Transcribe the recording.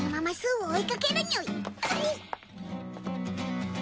はい！